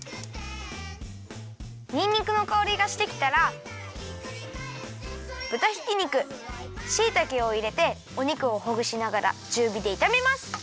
にんにくのかおりがしてきたらぶたひき肉しいたけをいれてお肉をほぐしながらちゅうびでいためます。